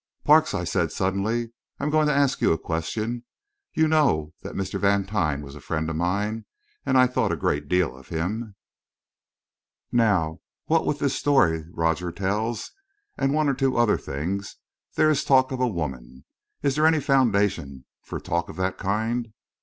"Parks," I said, suddenly, "I'm going to ask you a question. You know that Mr. Vantine was a friend of mine, and I thought a great deal of him. Now, what with this story Rogers tells, and one or two other things, there is talk of a woman. Is there any foundation for talk of that kind?"